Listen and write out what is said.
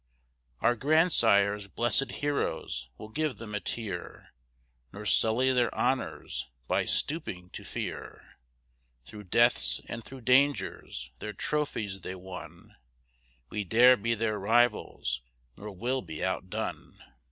_ Our grandsires, bless'd heroes, we'll give them a tear, Nor sully their honors by stooping to fear; Through deaths and through dangers their Trophies they won, We dare be their Rivals, nor will be outdone.